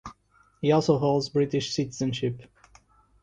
He also holds British citizenship.